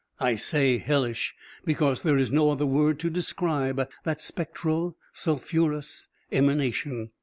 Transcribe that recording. I say hellish, because there is no other word to describe that spectral, sulphurous emanation.